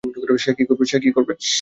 সে কী করবে?